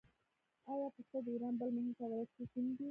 آیا پسته د ایران بل مهم صادراتي توکی نه دی؟